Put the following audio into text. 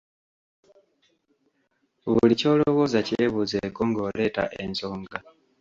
Buli ky'olowooza kyebuuzeeko ng'oleeta ensonga.